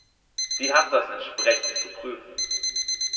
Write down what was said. Sie hat das entsprechend zu prüfen.